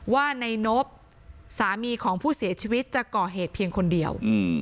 ว่าในนบสามีของผู้เสียชีวิตจะก่อเหตุเพียงคนเดียว